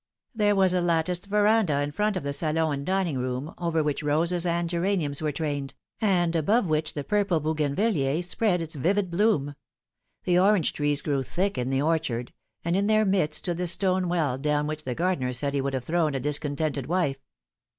There was a latticed verandah in front of the salon and dining room, over which roses and geraniums were trained, and above which the purple Bougainvilliers spread its vivid bloom. The orange trees grew thick in the orchard, and in their midst stood the stone well down which the gardener said he would have thrown a discontented wife.